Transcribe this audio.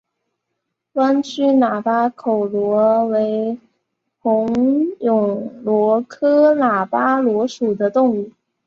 弯曲喇叭口螺为虹蛹螺科喇叭螺属的动物。